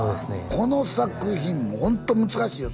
この作品ホント難しいよ